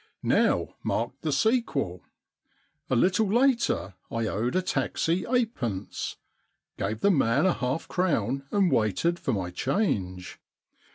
* Now mark the sequel. A little later I owed a taxi eightpence, gave the man a half crown and waited for my change.